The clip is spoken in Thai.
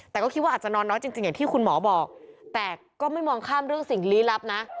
แต่ก็คิดว่าอาจจะนอนน้อยจริงอย่างที่คุณหมอบอกแต่ก็ไม่มองข้ามเรื่องสิ่งลี้ลับนะ